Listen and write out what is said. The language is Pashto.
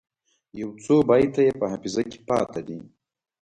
یو څو بیته یې په حافظه کې پاته دي.